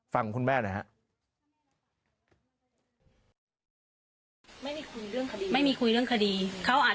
ฟังคุณแม่นะครับ